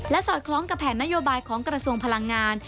สอดคล้องกับแผนนโยบายของกระทรวงพลังงาน